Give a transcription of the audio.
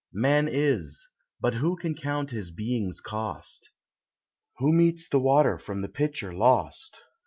CI Man is, but who can count his being's cost? Who metes the water from the pitcher lost?